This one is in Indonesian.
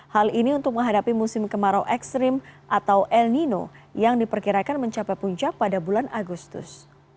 hal ini untuk menghadapi musim kemarau ekstrim atau el nino yang diperkirakan mencapai puncak pada bulan agustus